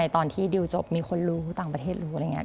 ตอนที่ดิวจบมีคนรู้ต่างประเทศรู้อะไรอย่างนี้